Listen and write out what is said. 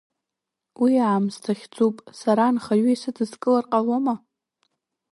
Уи аамсҭа хьӡуп, Сара анхаҩы исыдыскылар ҟалома?